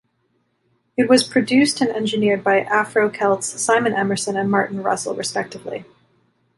It was produced and engineered by Afro Celts Simon Emmerson and Martin Russell, respectively.